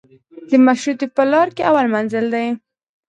د مشروطې په لار کې اول منزل دی.